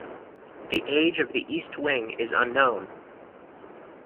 The age of the east wing is unknown.